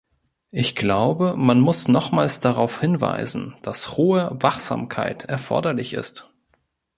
Ich glaube, man muss nochmals darauf hinweisen, dass hohe Wachsamkeit erforderlich ist.